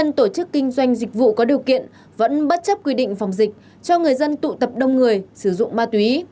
cơ sở kinh doanh dịch vụ có điều kiện vẫn bất chấp quy định phòng dịch cho người dân tụ tập đông người sử dụng ma túy